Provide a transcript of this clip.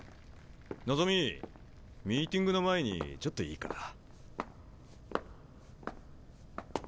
望ミーティングの前にちょっといいかな？